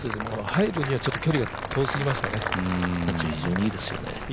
入るにはちょっと距離が遠すぎました。